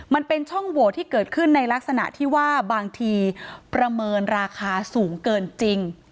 มันเป็นช่องโหวตที่เกิดขึ้นในลักษณะที่ว่าบางทีประเมินราคาสูงเกินจริง